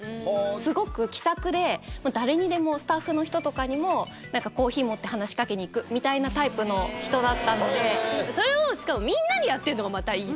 すごく気さくで、誰にでも、スタッフの人とかにも、なんかコーヒー持って話しかけにいくみたいなタイプの人だったのそれをしかも、みんなにやってるのがまたいい。